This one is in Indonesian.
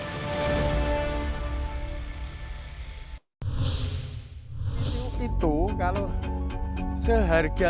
seharga sembilan puluh lima atau sepuluh ribu pun sudah hasilnya sudah luar biasa